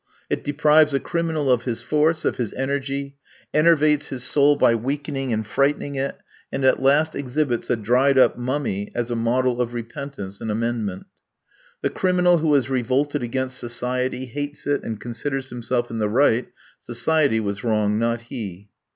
It deprives a criminal of his force, of his energy, enervates his soul by weakening and frightening it, and at last exhibits a dried up mummy as a model of repentance and amendment. The criminal who has revolted against society, hates it, and considers himself in the right; society was wrong, not he.